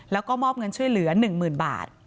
แล้วก็มอบเงินช่วยเหลือ๑๐๐๐บาท